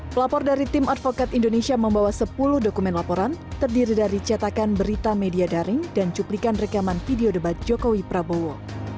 pelapor dari tim advokat indonesia membawa sepuluh dokumen laporan terdiri dari cetakan berita media daring dan cuplikan rekaman video debat jokowi prabowo